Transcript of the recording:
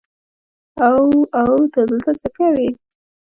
او او ته دلته څه کوې.